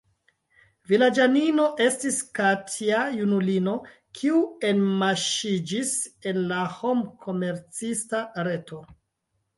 Vilaĝanino estis Katja, junulino, kiu enmaŝiĝis en la homkomercista reto.